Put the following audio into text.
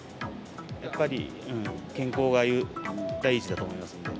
やっぱり健康が第一だと思います